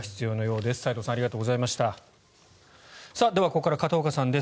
ではここから片岡さんです。